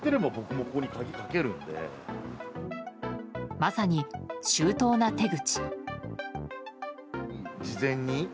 まさに周到な手口。